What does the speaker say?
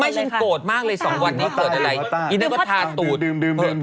ไม่ฉันโกรธมากเลย๒วันก็เตือนอะไร